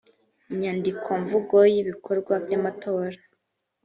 inyandikomvugo y ibikorwa by amatora